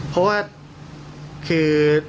เพราะว่าคือ